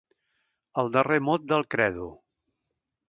El darrer mot del credo.